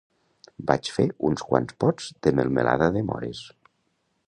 Vaig fer uns quants pots de melmelada de mores